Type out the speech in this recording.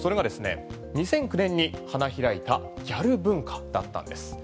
それがですね２００９年に花開いたギャル文化だったんです。